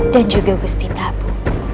dan juga gusti prabu